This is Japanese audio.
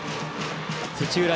土浦